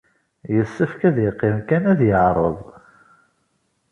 Yessefk ad yeqqim kan ad iɛerreḍ.